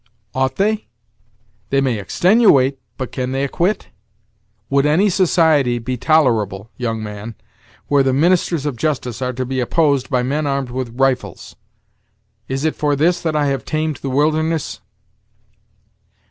"Ought they? They may extenuate, but can they ac quit? Would any society be tolerable, young man, where the ministers of justice are to be opposed by men armed with rifles? Is it for this that I have tamed the wilderness?"